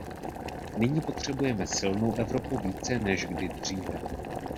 Nyní potřebujeme silnou Evropu více než kdy dříve.